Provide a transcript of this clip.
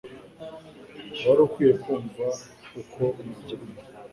Wari ukwiye kumva uko umuryango